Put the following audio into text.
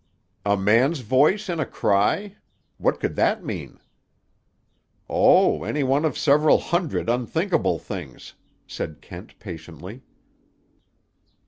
"A man's voice in a cry? What could that mean?" "Oh, any one of several hundred unthinkable things," said Kent patiently.